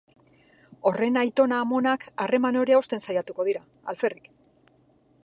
Horren aitona-amonak harreman hori hausten saiatuko dira, alferrik.